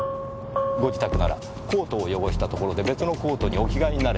ご自宅ならコートを汚したところで別のコートにお着替えになればいい。